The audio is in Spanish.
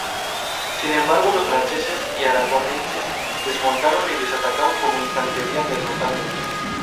Sin embargo los franceses y aragoneses desmontaron y les atacaron como infantería derrotándolos.